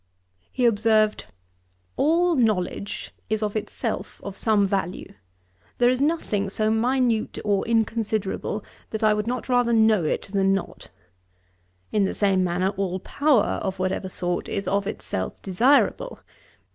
He observed, 'All knowledge is of itself of some value. There is nothing so minute or inconsiderable, that I would not rather know it than not. In the same manner, all power, of whatever sort, is of itself desirable.